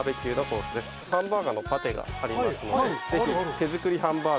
ハンバーガーのパテがありますのでぜひ。